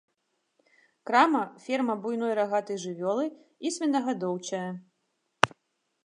Крама, ферма буйной рагатай жывёлы і свінагадоўчая.